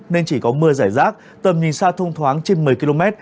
nên chỉ có mưa giải rác tầm nhìn xa thông thoáng trên một mươi km